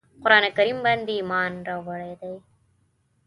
قرآن کریم باندي ایمان راوړی دی.